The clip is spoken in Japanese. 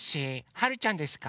はるちゃんですか？